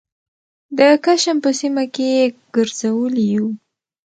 د کشم په سیمه کې یې ګرځولي یوو